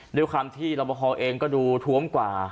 ด้วยความที่รับพอพอก็ดูถวมกว่า